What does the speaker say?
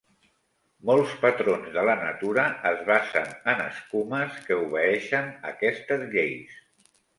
Molts patrons de la natura es basen en escumes que obeeixen aquestes lleis.